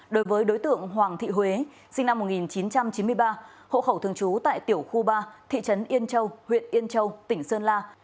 đối với đối tượng hoàng thị huế sinh năm một nghìn chín trăm chín mươi ba hộ khẩu thường trú tại tiểu khu ba thị trấn yên châu huyện yên châu tỉnh sơn la